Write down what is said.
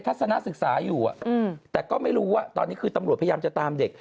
ทศนาศึกษาอยู่แต่ก็ไม่รู้ว่าตอนนี้คือตำรวจพยายามจะตามเด็ก